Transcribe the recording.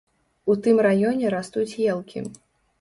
У тым раёне растуць елкі.